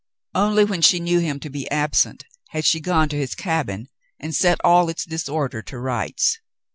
Only when she knew him to be absent had she gone to his cabin and set all its disorder to rights.